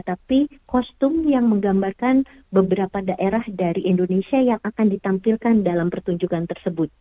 tapi kostum yang menggambarkan beberapa daerah dari indonesia yang akan ditampilkan dalam pertunjukan tersebut